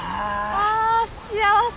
あぁ幸せ。